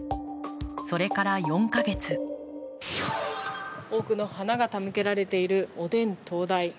それから４か月多くの花が手向けられているおでん東大。